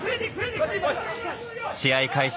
試合開始